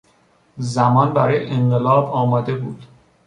زمان برای انقلاب آماده بود.